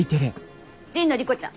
神野莉子ちゃん